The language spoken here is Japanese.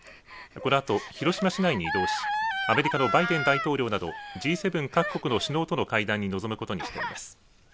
このあと広島市内に移動しアメリカのバイデン大統領などＧ７各国の首脳との会談に臨むことにしています。